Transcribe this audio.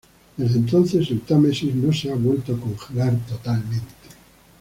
Desde entonces, el Támesis no se ha vuelto a congelar totalmente.